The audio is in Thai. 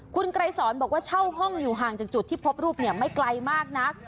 คุณไกรสอนบอกว่าเช่าห้องอยู่ห่างจากจุดที่พบรูปไม่ไกลมากนัก